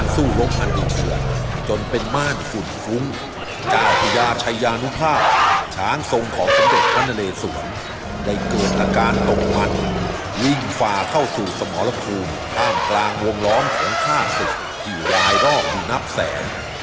สมเด็จพระนเรศวรได้เกิดอาการตกมันวิ่งฝ่าเข้าสู่สมรคลูมข้ามกลางวงร้อมของภาคศึกอยู่ลายลอกจุดนับแสน